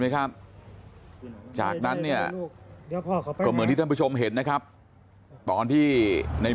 นะครับจากนั้นเนี่ยก็เหมือนที่ท่านผู้ชมเห็นนะครับตอนที่ใน